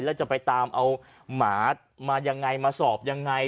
แล้วจะไปตามเอาหมามายังไงมาสอบยังไง